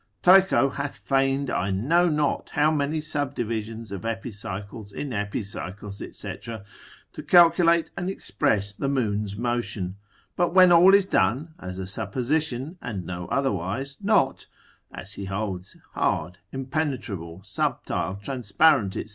Tycho hath feigned I know not how many subdivisions of epicycles in epicycles, &c., to calculate and express the moon's motion: but when all is done, as a supposition, and no otherwise; not (as he holds) hard, impenetrable, subtile, transparent, &c.